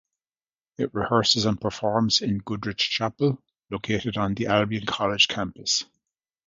It rehearses and performs in Goodrich Chapel, located on the Albion College campus.